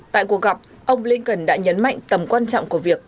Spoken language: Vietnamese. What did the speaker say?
tại cuộc gặp ông blinken đã nhấn mạnh tầm quan trọng của việc